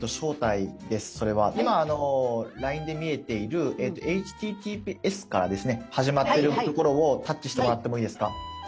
今ＬＩＮＥで見えているｈｔｔｐｓからですね始まってるところをタッチしてもらってもいいですか？